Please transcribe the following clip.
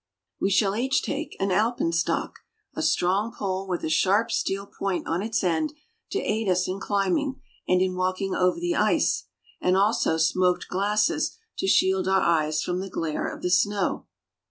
We shall each take an alpenstock, a strong pole with a sharp steel point on its end to aid us in climbing and in walking over the ice, and also smoked glasses to shield our eyes from the glare of the snow.